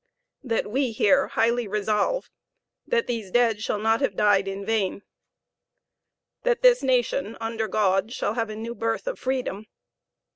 .. that we here highly resolve that these dead shall not have died in vain. .. that this nation, under God, shall have a new birth of freedom.